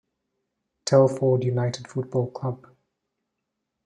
Telford United football club.